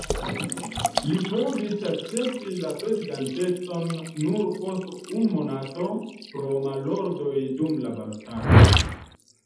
Li povis akcepti la prezidantecon nur post unu monato pro malordoj dum la balotado.